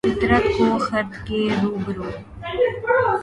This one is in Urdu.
فطرت کو خرد کے روبرو